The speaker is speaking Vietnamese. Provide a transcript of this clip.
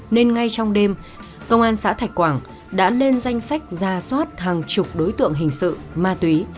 nên ngay trong đêm công an xã thạch quảng đã lên danh sách ra soát hàng chục đối tượng hình sự ma túy